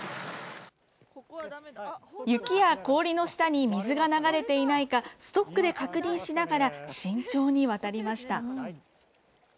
雪や氷の下に水が流れていないか、ストックで確認しながら、慎重に渡りました。